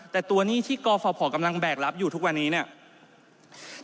แต่ตัวหนี้ที่กฟภกำลังแบกรับอยู่ทุกวันนี้เนี่ย